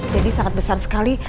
jadi sangat besar sekali